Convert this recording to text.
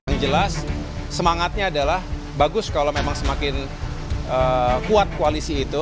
yang jelas semangatnya adalah bagus kalau memang semakin kuat koalisi itu